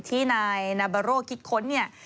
ที่นายนาบาโร่คิดค้นเนี่ย